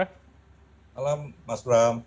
selamat malam mas bram